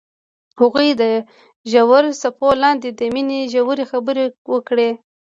هغوی د ژور څپو لاندې د مینې ژورې خبرې وکړې.